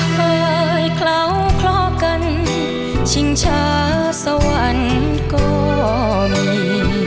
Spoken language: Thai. เฮ้ยเท่าพอกันชิงชาสวรรค์ก็มี